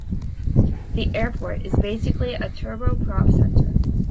The airport is basically a turbo-prop centre.